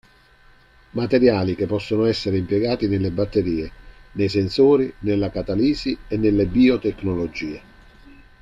Materiali che possono essere impiegati nelle batterie, nei sensori, nella catalisi e nelle biotecnologie.